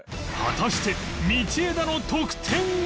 果たして道枝の得点は！？